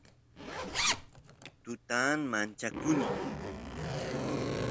tutan manchakuni